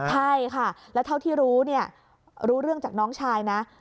ใช่ค่ะแล้วเท่าที่รู้เนี่ยรู้รู้เรื่องจากน้องชายนะ